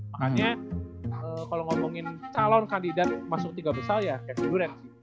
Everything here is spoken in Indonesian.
makanya kalau ngomongin calon kandidat masuk tiga besar ya kevin durant